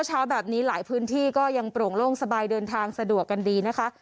เช้าแบบนี้หลายพื้นที่ก็ยังโปร่งโล่งสบายเดินทางสะดวกกันดีนะคะ